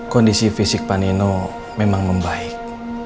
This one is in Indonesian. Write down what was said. kondisi fisik pak nino memang membaik